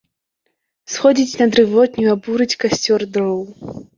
Сходзіць на дрывотню абурыць касцёр дроў.